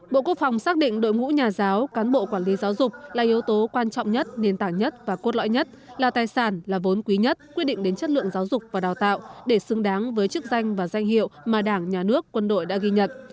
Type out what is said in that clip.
bộ quốc phòng xác định đội ngũ nhà giáo cán bộ quản lý giáo dục là yếu tố quan trọng nhất nền tảng nhất và cốt lõi nhất là tài sản là vốn quý nhất quyết định đến chất lượng giáo dục và đào tạo để xứng đáng với chức danh và danh hiệu mà đảng nhà nước quân đội đã ghi nhận